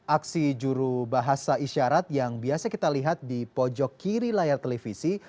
aksi juru bahasa isyarat yang biasa kita lihat di pojok kiri layar televisi